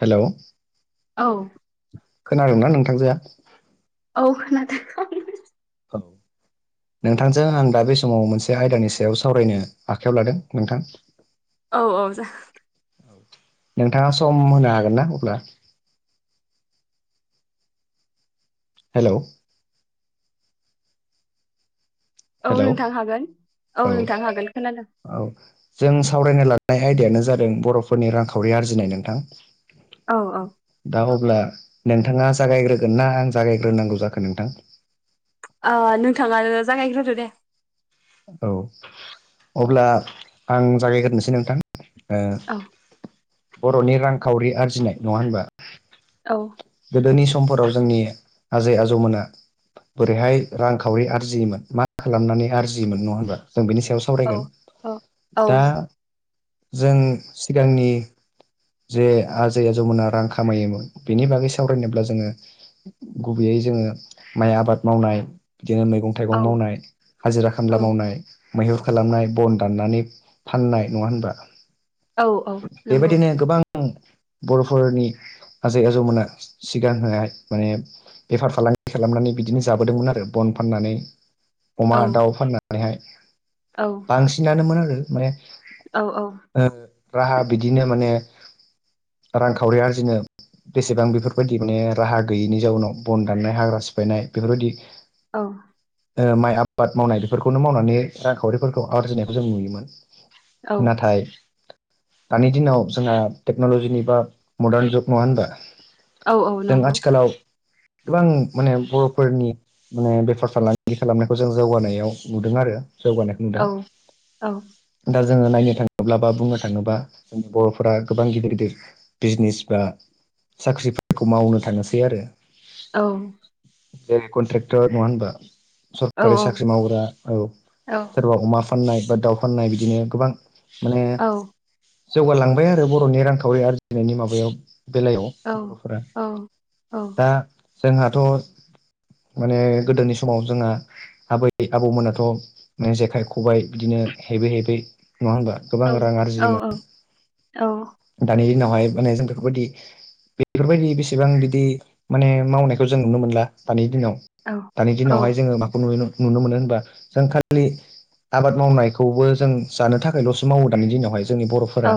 Hello औ खोनादोंना नोंथांजोआ औ खोनादों औ नोंथांजों आं दा बे समाव मोनसे आयदानि सायाव सावरायनो आखायाव लादों नोंथां औ औ जा नोंथाङा सम होनो हागोन ना अब्ला हेलौ औ हेलौ नोंथां हागोन औ नोंथां हागोन खोनादों औ जों सावरायनो लानाय आयदायानो जादों बर'फोरनि रांखावरि आरजिनाय नोंथां औ औ दा अब्ला नोंथाङा जागायग्रोगोन ना आं जागायग्रोनांगौ जाखो नोंथां ओ नोंथाङानो जागायग्रोदो दे औ अब्ला आं जागायग्रोसै नोंथां ओ औ बर'नि रांखावरि आरजिनाय नङा होनबा औ गोदोनि समफोराव जोंनि आजै आजौमोना बोरैहाय रांखावरि आरजियोमोन मा खालामनानै आरजियोमोन नङा होमबा! जों बेनि सायाव औ सावरायगोन औ औ दा दे जों सिगांनि जे आजै आजौमोना रां खामायोमोन बेनि बागै सावरायनोब्ला जोङो गुबैयै जोङो माइ आबाद मावनाय बिदिनो मैगं औ थाइगं मावनाय हाजिरा खामला औ मावनाय मैहुर खालामनाय बन दाननानै फाननाय नङा होनबा औ औ नंगौ बेबायदिनो गोबां बर'फोरनि आजै आजौमोना सिगांहाय माने बेफार फालांगि खालामनानै बिदिनो जाबोदोंमोन आरो बन फाननानै अमा औ दाउ फाननानैहाय औ बांसिनानोमोन आरो माने औ औ ओ राहा बिदिनो माने रांखावरि आरजिनो बेसेबां बे बेफोरबायदि माने राहा गैयैनि जाउनाव बन दाननाय हाग्रा सिफायनाय बेफोरबायदि औ ओ माइ आबाद मावनाय बेफोरखौनो मावनानै रांखावरिफोरखौ आरजिनायखौ जों नुयोमोन औ नाथाय दानि दिनाव जोंहा टेक्नल'जिनि बा मदार्न जुग नङा होनबा औ औ जों नंगौ आथिखालाव गोबां माने बर'फोरनि माने बेफार फालांगि खालामनायखौ जों जौगानायाव नुदों आरो जौगानायखौ औ नुदों औ दा जोङो नायनो थाङोब्ला बा बुंनो थाङोब्ला जोंनि बर'फोरा गोबां गिदिर गिदिर बिजनेस बा औ जेरै कन्ट्रेक्टर नङा होनबा औ सरकारि साख्रि मावग्रा औ औ सोरबा अमा फाननाय बा दाउ फाननाय बिदिनो गोबां माने औ जौगालांबाय आरो बर'नि रांखावरि आरजिनायनि माबायाव बेलायाव औ बर'फोरा औ औ दा जोंहाथ' माने गोदोनि समाव जोंहा आबै आबौमोनाथ' नों जेखाइ खबाय बिदिनो हेबै हेबै नङा होनबा गोबां औ रां औ आरजियोमोन औ औ दानि दिनावहाय माने जों बेफोर बायदि बेफोरबायदि बेसेबां बिदि माने मावनायखौ जों नुनो मोनला दानि दिनाव दानि दिनावहाय जोङो माखौ नुयो नुनो मोनो होनबा जों खालि आबाद मावनायखौबो जों जानो थाखायल'सो मावो दानि दिनावहाय जोंनि बर' औ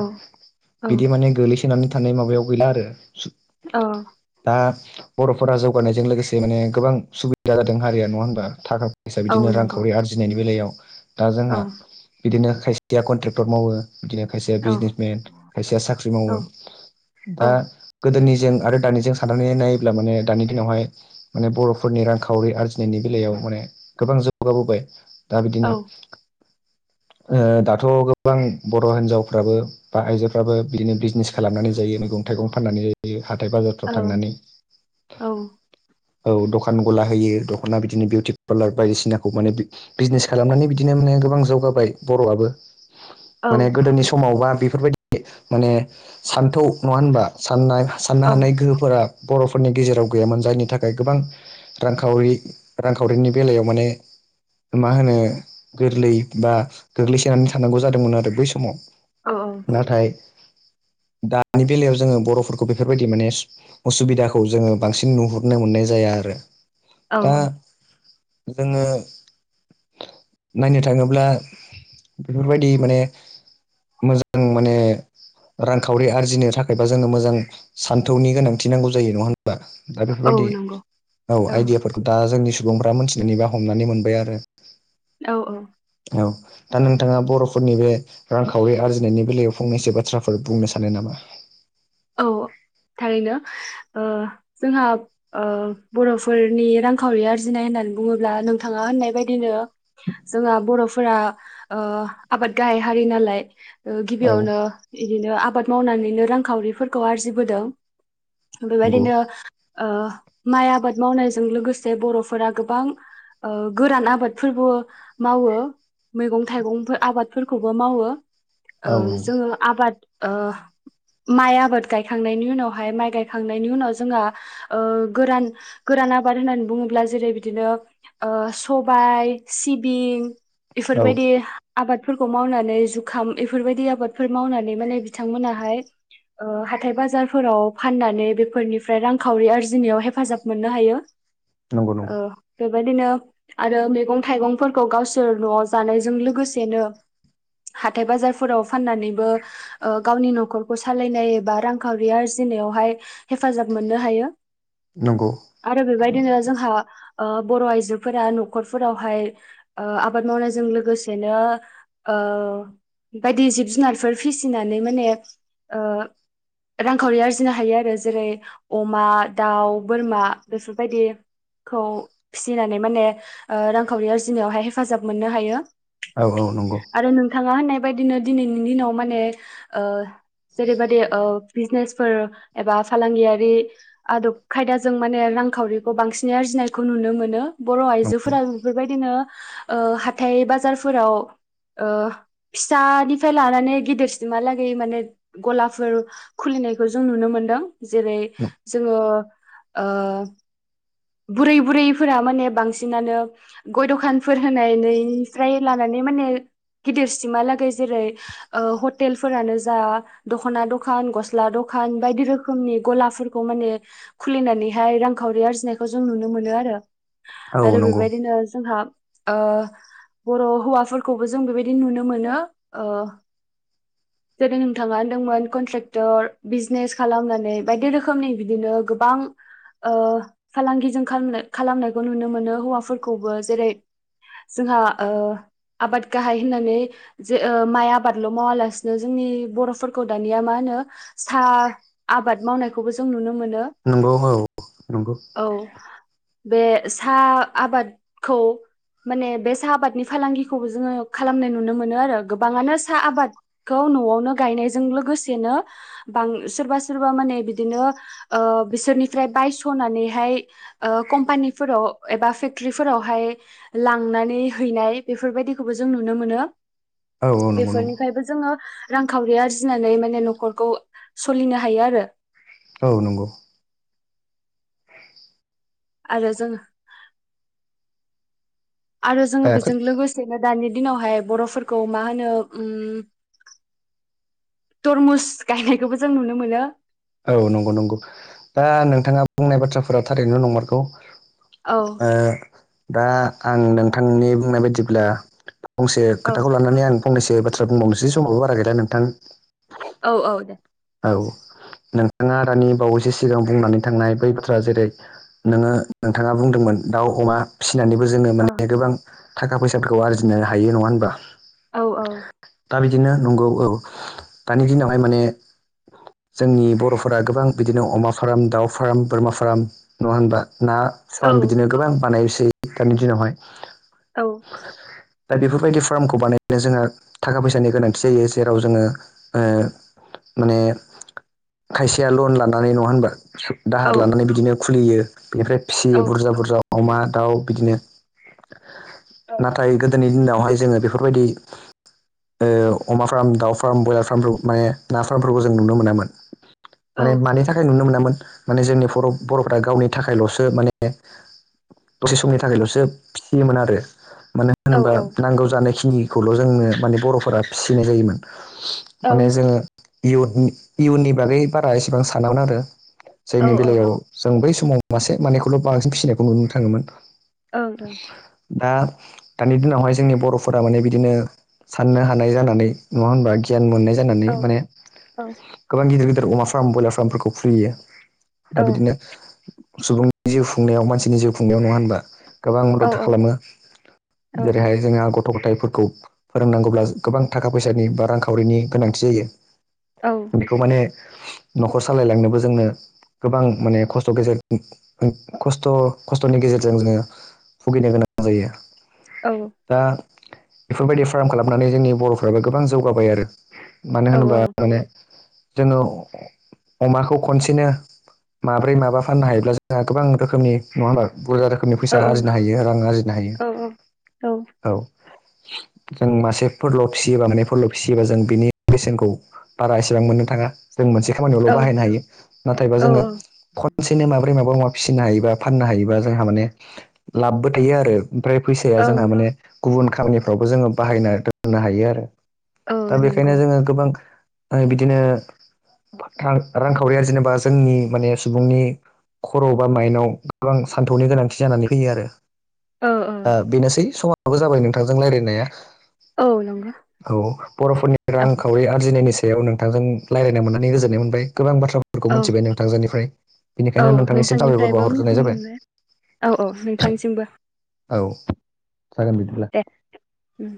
बिदि माने गोलैसोनानै थानाय माबायाव गैला आरो औ दा बर'फोरा जौगानायजों लोगोसे माने गोबां सुबिदा जादों हारिया नङा होनबा थाखा फैसा बिदिनो नंगौ रांखावरि आरजिनायनि बेलायाव दा जोंहा बिदिनो खायसेया कन्ट्रेक्टर मावो बिदिनो खायसेया औ बिजनेस मेन खायसेया साख्रि मावो औ औ दा गोदोनिजों आरो दानिजों साननानै नायोब्ला माने दानि दिनावहाय माने बर'फोरनि रांखावरि आरजिनायनि बेलायाव माने गोबां जौगाबोबाय दा औ बिदिनो ओ दाथ' गोबां बर' हिनजावफ्राबो बा आइजो फ्राबो बिदिनो बिजनेस खालामनानै जायो मैगं थाइगं फाननानै जायो हाथाय औ बाजार थांनानै औ औ दखान गला होयो दखना बिदिनो बिउटि पार्लार बायदिसिनाखौ माने बिजनेस खालामनानै बिदिनो माने गोबां जौगाबाय बर'आबो औ माने गोदोनि समावबा बेफोरबायदि माने सान्थौ नङा होनबा साननाय साननो औ हानाय गोहोफोरा बर'फोरनि गेजेराव गैयामोन जायनि थाखाय गोबां रांखावरि रांखावरिनि बेलायाव माने मा होनो गोरलै बा गोग्लैसोनानै थानांगौ जादोंमोन आरो बै समाव। औ औ नाथाय दानि बेलायाव जोङो बर'फोरखौ बेफोरबायदि माने असुबिदाखौ जोङो बांसिन नुहुरनो मोननाय जाया आरो दा औ जोङो नायनो थाङोब्ला बेफोर बायदि माने आं माने रांखावरि आरजिनो थाखायबा जोंनो मोजां सान्थौनि गोनांथि नांगौ जायो नङा होनबा? दा औ बेफोरबायदि नंगौ औ आइडियाफोरखौ दा जोंनि सुबुंफ्रा मोनथिनानै बा हमनानै मोनबाय आरो। औ औ औ दा नोंथाङा बर'फोरनि बे रांखावरि आरजि नायनि बेलायाव फंनैसो बाथ्राफोर बुंनो सानो नामा? औ थारैनो, ओ जोंहा ओ बर'फोरनि रांखावरि आरजिनाय होननानै बुङोब्ला नोंथाङा होननाय बायदिनो जोंहा बर'फोरा आबाद ओ गाहाय हारि नालाय ओ औ गिबियावनो इदिनो आबाद मावनानैनो रांखावरिफोरखौ आरजिबोदों। नंगौ बेबायदिनो ओ माइ आबाद मावनायजों लोगोसे बर'फोरा गोबां ओ गोरान आबादफोरबो मावो। मैगं थाइगंफोर आबादफोरखौबो मावो ओ औ नंगौ जोङो आबाद ओ माइ आ बाद गायखांनायनि उनावहाय माइ गायखांनायनि उनाव जोङा ओ गोरान गोरान आबाद होननानै बुङोब्ला जेरै बिदिनो ओ सबाय सिबिं औ इफोरबायदि आबादफोरखौ मावनानै जुखाम इफोरबायदि आबादफोर मावनानै माने बिथांमोनाहाय ओ हाथाइ बाजारफोराव फाननानै बेफोरनिफ्राय रांखावरि आरजिनायाव हेफाजाब मोननो हायो। [unintelligible] औ बेबायदिनो आरो मैगं थाइगंफोरखौ गावसोर न'आव जानायजों लोगोसेनो हाथाइ बाजारफोराव फाननानैबो ओ गावनि न'खरखौ सा लायनाय एबा रांखावरि आरजिनायावहाय हेफाजाब मोननो हायो। नंगौ। आरो बेबायदिनो जोंहा ओ बर' आइजोफोरा न'खरफोरावहाय ओ आबाद मावनायजों लोगोसेनो ओ बायदि जिब जुनारफोर फिसिनानै माने ओ रांखावरि आरजिनो हायो आरो जेरै अमा, दाउ, बोरमा बेफोरबायदि खौ फिसिनानै माने रांखावरि ओ आरजिनायावहाय हेफाजाब मोननो हायो। औ औ नंगौ आरो नोंथाङा होननाय बायदिनो दिनैनि दिनाव माने ओ जेरैबादि ओ बिजनेसफोर एबा फालांगियारि आदब खायदाजों माने रांखावरिखौ बांसिनै आरजिनायखौ नुनो मोनो। बर' आइजोफोरा बेफोरबायदिनो ओ हाथाइ बाजारफोराव ओ फिसानिफ्राय लानानै गिदिरसिमहालागै माने गलाफोर खुलिनायखौ जों नुनो मोनदों। जेरै जोङो ओ बुरै बुरैफोरा माने बांसिनानो गय दखानफोर होनायनैनिफ्राय लानानै माने गिदिरसिमहालागै जेरै ओ हटेलफोरानो जा दख'ना दखान गस्ला दखान बायदि रोखोमनि गलाफोरखौ माने खुलिनानैहाय रांखावरि आरजिनायखौ जों नुनो मोनो आरो। औ आरो नंगौ बेबायदिनो जोंहा ओ‌ बर' हौवाफोरखौबो जों बेबायदि नुनो मोनो। ओ जेरै नोंथाङा मोन कनट्रेक्टर बिजनेस खालामनानै बायदि रोखोमनि बिदिनो गोबां ओ फालांगिजों खालामनायखौ नुनो मोनो हौवाफोरखौबो जेरै जोंहा ओ आबाद गाहाय होननानै जे ओ माइ आबादल' मावालासिनो जोंनि बर'फोर खौ दानिया मा होनो साह आबाद मावनायखौबो जों नुनो मोनो। नंगौ औ नंगौ औ बे साह आबादखौ माने बे साहा आबादनि फालांगिखौबो जोङो खालामनाय नुनो मोनो आरो गोबाङानो साहा आबाद खौ न'आवनो गायनायजों लोगोसेनो बां सोरबा सोरबा माने बिदिनो ओ‌ बिसोरनिफ्राय बायस'नानैहाय ओ कम्पानिफोराव एबा फेक्टरिफोरावहाय लांनानै हैनाय बेफोरबायदिखौबो जों नुनो मोनो। औ औ नंगौ नंगौ बेफोरनिफ्रायबो जोङो रांखावरि आरजि फिनानै माने न'खरखौ सोलिनो हायो आरो। औ नंगौ। आरो जों आरो जोङो बेजों लोगोसे बिदिनो दानि दिनावहाय बर'फोरखौ मा होनो उम तरमुस गायनायखौबो जों नुनो मोनो। औ नंगौ - नंगौ दा नोंथाङा बुंनाय बाथ्राफोरा थारैनो नंमारगौ। औ ओ दा आं नोंथांनि बुंनाय बायदिब्ला फंसे औ खोथाखौ लानानै आं फंनैसो बाथ्रा बुंबावनोसै समाबो बारा गैला नोंथां। औ -औ दे। औ नोंथाङा दानि बावैसो सिगां बुंनानै थांनाय बै बाथ्रा जेरै नोङो नोंथाङा बुंदोंमोन दाउ, अमा फिसिनानैबो जोङो औ माने गोबां थाखा फैसाफोरखौ आरजिनो हायो नङा होनबा? औ औ दा बिदिनो नंगौ औ दानि दिनावहाय माने जोंनि बर'फोरा गोबां बिदिनो अमा फार्म, दाउ फार्म, बोरमा फार्म नङा होनबा ना औ फार्म बिदिनो गोबां बानायोसै दानि दिनावहाय औ। दा बेफोरबायदि फार्मखौ बानायनो जोंहा थाखा फैसानि गोनांथि जायो जेराव जोङो ओ माने खायसेया लन लानानै नङा होनबा औ दाहार लानानै बिदिनो खुलियो। बेनिफ्राय फिसियो औ बुरजा - बुरजा अमा दाउ बिदिनो नाथाय फाय गोदोनि दिनावहाय जोङो बेफोरबायदि औ अमा फार्म, दाउ फार्म, ब्रयलार फार्मफोरखौ माने नाफार्मफोरखौ जों नुनो मोनामोन माने मानि थाख फ्राय नुनो मोनामोन माने जोंनि' बर'फ ब'रफोरा गावनि थाखायल'सो माने दसे समनि थाखायल'सो फिसियोमोन आरो माने औ होनबा नांगौ जानाय खिनिखौल' जोंनो माने बर'फोरा फिसिनाय जायोमोन। माने जोङो इयु-इयुननि बागै बारा एसेबां सानामोन आरो। जायनि बेलायाव जों बै समाव मासे मानैखौल' बांसिन फिसिनायखौ नुनो थाङोमोन। औ ओ। दा दानि दिनावहाय जोंनि बर'फोरा माने बिदिनो साननो हानाय जानानै नङा होनबा गियान मोननाय जानानै माने ओं। गोबां गिदिर- गिदिर अमा फार्म, ब्रयलार फार्मफोरखौ खुलियो दा ओं बिदिनो सुबुं जिउ खुंनायाव मानसिनि जिउ खुंनायाव नङा होनबा। गोबां औ मदद औ खालामो जेरैहाय जोंहा गथ गथ' गथायफोरखौ फोरोंनांगौब्ला गोबां थाखा फैसानि बा रांखावरिनि गोनांथि जायो। औ। बेखौ माने न'खर सालायलांनोबो जोंनो गोबां माने खस्थ' गेजेर [unintelligible] खस्थ'-खस्थ'नि गेजेरजों जोङो भुगिनो गोनां जायो। औ -औ। दा बेफोरबायदि फार्म खालामनानै जोंनि बर'फोराबो गोबां जौगाबाय आरो मानो औ होनोबा माने जोङो अमाखौ खनसेनो माब्रै माबा फाननो हायोब्ला जोंहा गोबां रोखोमनि नङा होना बुर फोरनि फैसा औ आरजिनो हायो रां आरजिनो हायो। औ। जों मासे फोरल' फिसियोबा माने फोरल' फिसियोबा जों बिनि बेसेनखौ बारा एसेबां मोननो थाङा जों मोनसे खामानियावल' औ बाहायनो हायो नाथायबा जोङो खनसेनो माब्रै माबा माबा फिसिनो हायोबा फाननो हायोबा जोंहा माने लाबबो थायो आरो। ओमफ्राय फैसाया जोंहा ओं माने गुबुन खामानिफ्रावबो जोङो बाहायना दोननो हायो आरो ओ दा बेखायनो नंगौ जोङो गोबां ओ बिदिनो रां रांखावरि आरजिनोबा जोंनि माने सुबुंनि खर' बा माइनाव गोबां सान्थौनि गोनांथि जानानै फैयो आरो ओ बेनोसै समाबो जाबाय नोंथांजों रायलायनाया औ नंगौ औ बर'फोरनि औ रांखावरि आरजिनायनि सायाव नोंथांजों रायलायनो मोननानै गोजोननाय मोनबाय गोबां बाथ्रा फोरखौ औ मोनथिबाय नोंथांजोनिफ्राय। औ बेनिखायनो नोंथांनिसिम साबायखर नोंथांनिफ्रायबो बावहर ग्रोनाय मिथिनो जाबाय मोनबाय औ औ नोंथांनिसिमबो। औ औ जागोन बिदिब्ला दे उम